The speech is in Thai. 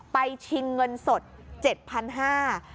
ชิงเงินสด๗๕๐๐บาท